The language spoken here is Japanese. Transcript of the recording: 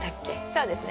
そうですね。